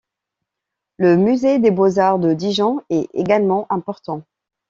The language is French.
Le musée des Beaux-arts de Dijon est également important.